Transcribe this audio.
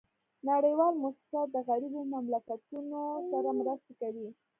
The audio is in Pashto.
نړیوال موسسات د غریبو مملکتونو سره مرستي کوي